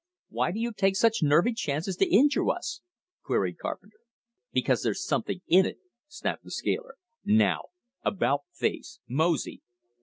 "Why do you take such nervy chances to injure us?" queried Carpenter. "Because there's something in it," snapped the scaler. "Now about face; mosey!"